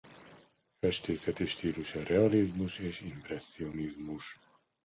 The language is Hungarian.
Festészeti stílusa realizmus és impresszionizmus.